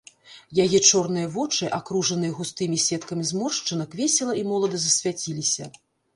Яе чорныя вочы, акружаныя густымі сеткамі зморшчынак, весела і молада засвяціліся.